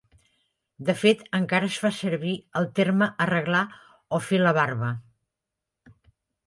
De fet encara es fa servir el terme arreglar o fer la barba.